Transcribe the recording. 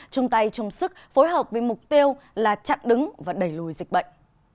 chung tay chung sức phối hợp với mục tiêu là chặn đứng và đẩy lùi dịch bệnh